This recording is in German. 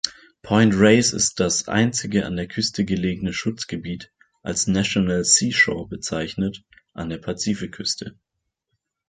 Point Reyes ist das einzige an der Küste gelegene Schutzgebiet, als National Seashore bezeichnet, an der Pazifikküste.